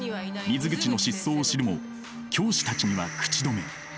水口の失踪を知るも教師たちには口止め。